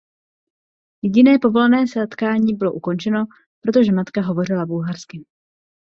Jediné povolené setkání bylo ukončeno, protože matka hovořila bulharsky.